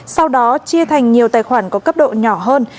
sau đó chia thành nhiều tài khoản có cấp độ nhỏ hơn